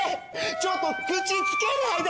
ちょっと口つけないで！